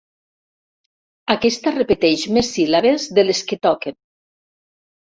Aquesta repeteix més síl·labes de les que toquen.